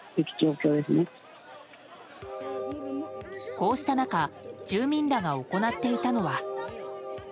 こうした中住民らが行っていたのは。